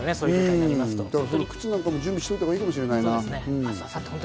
靴なんかも準備しておいたほうがいいかもしれないな。